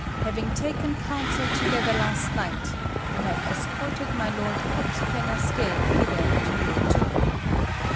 Having taken counsel together last night, we have escorted my Lord Kôtsuké no Suké hither to your tomb.